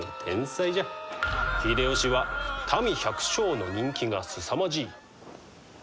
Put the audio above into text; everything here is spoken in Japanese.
秀吉は民百姓の人気がすさまじい。